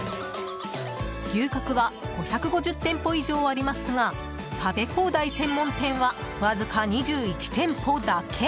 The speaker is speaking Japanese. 牛角は５５０店舗以上ありますが食べ放題専門店はわずか２１店舗だけ。